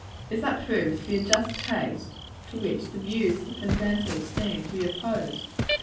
Is that proved to be a just taste, to which the views here presented seem to be opposed?